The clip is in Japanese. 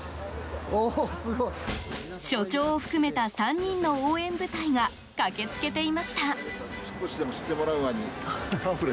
所長を含めた３人の応援部隊が駆けつけていました。